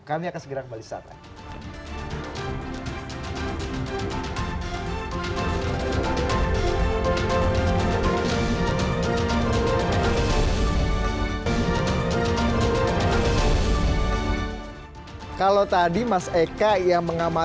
kami akan segera kembali setelah ini